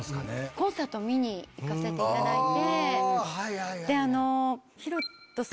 コンサート見に行かせていただいて。